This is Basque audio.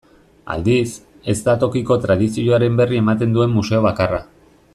Aldiz, ez da tokiko tradizioaren berri ematen duen museo bakarra.